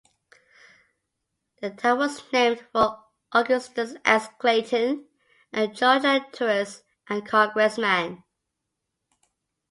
The town was named for Augustine S. Clayton, a Georgia jurist and congressman.